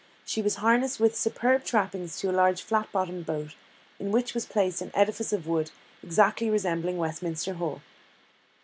She was harnessed with superb trappings to a large flat bottomed boat, in which was placed an edifice of wood, exactly resembling Westminster Hall.